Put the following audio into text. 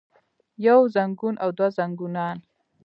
يو زنګون او دوه زنګونان